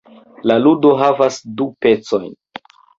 La ludo havas du pecojn.